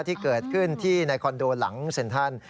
ที่เกิดขึ้นที่ในคอนโดหลังเซ็นทรัล